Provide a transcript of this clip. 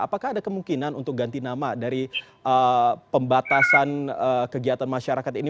apakah ada kemungkinan untuk ganti nama dari pembatasan kegiatan masyarakat ini